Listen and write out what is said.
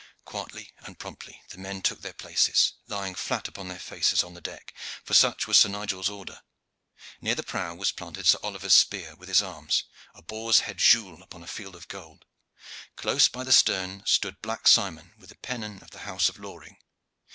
Quietly and promptly the men took their places, lying flat upon their faces on the deck, for such was Sir Nigel's order. Near the prow was planted Sir Oliver's spear, with his arms a boar's head gules upon a field of gold. Close by the stern stood Black Simon with the pennon of the house of Loring.